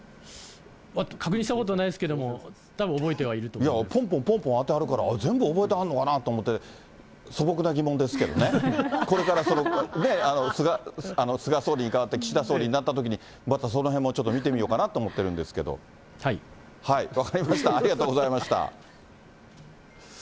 確認したことはないですけれども、たぶん覚えてはいると思いいや、ぽんぽんぽんぽん当てはるから、あれ全部覚えてはるんかなと思って、素朴な疑問ですけどね、これからそれね、菅総理に代わって岸田総理になったときに、またそのへんもちょっと見てみようかなと思ってるんですけれども、分かりました、ありがとうございました。